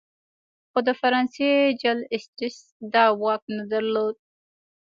خو د فرانسې جل اسټټس دا واک نه درلود.